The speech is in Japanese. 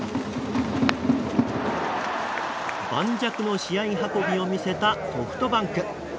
盤石の試合運びを見せたソフトバンク。